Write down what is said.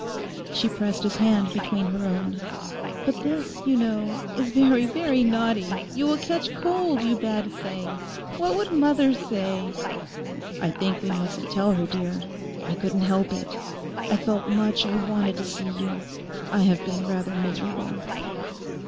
She pressed his hand between her own. 'But this, you know, is very, very naughty—you will catch cold, you bad thing. What would Mother say?' 'I think we mustn't tell her, dear. I couldn't help it; I felt much I wanted to see you. I have been rather miserable.